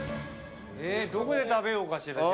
どこで食べようか。